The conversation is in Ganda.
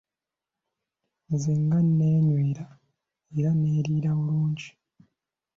Nze nga neenywera era neeriira bulungi?